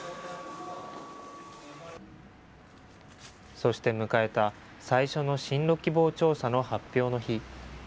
そして迎えた最初の進路希望調査の発表の日。